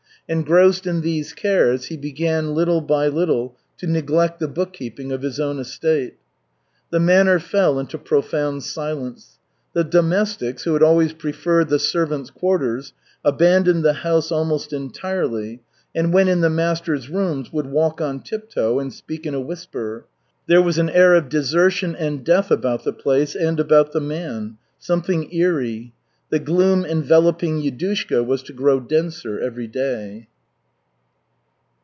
Engrossed in these cares he began little by little to neglect the bookkeeping of his own estate. The manor fell into profound silence. The domestics, who had always preferred the servants' quarters, abandoned the house almost entirely, and when in the master's rooms would walk on tiptoe and speak in a whisper. There was an air of desertion and death about the place and about the man, something eery. The gloom enveloping Yudushka was to grow denser every day.